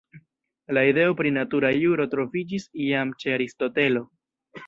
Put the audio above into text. La ideo pri natura juro troviĝis jam ĉe Aristotelo.